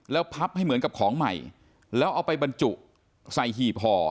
แล้วพับให้เหมือนกับของใหม่แล้วเอาไปบรรจุใส่หีบห่อ